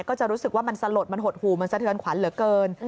ก็จะรู้สึกว่ามันสลดมันหดหู่มันสะเทือนขวัญเหลือเกิน